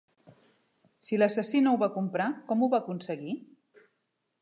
Si l'assassí no ho va comprar, com ho va aconseguir?